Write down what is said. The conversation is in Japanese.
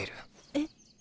えっ。